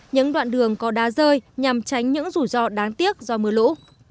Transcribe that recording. những đoạn đường có đá rơi nhằm tránh những rủi ro đáng tiếc do mưa lũ